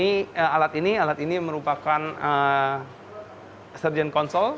ini alat ini alat ini merupakan surgeon console